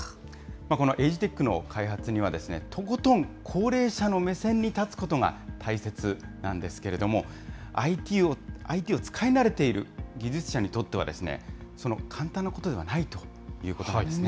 このエイジテックの開発には、とことん高齢者の目線に立つことが大切なんですけれども、ＩＴを使い慣れている技術者にとっては、簡単なことではないということなんですね。